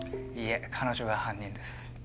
いいえ彼女が犯人です。